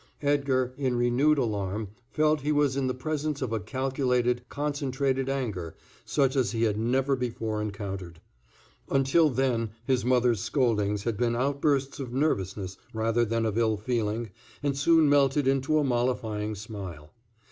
Edgar, in renewed alarm, felt he was in the presence of a calculated, concentrated anger such as he had never before encountered. Until then his mother's scoldings had been outbursts of nervousness rather than of ill feeling and soon melted into a mollifying smile.